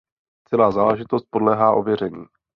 Celá záležitost podléhá ověření.